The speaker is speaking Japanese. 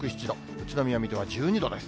宇都宮、水戸は１２度です。